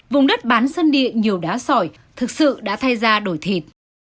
vùng đất bán sân địa nhiều đá sỏi thực sự đã thay ra đổi thịt